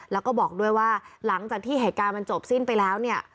แล้วก็บอกด้วยว่าหลังจากที่เหตุการณ์มันจบสิ้นไปแล้วเนี่ย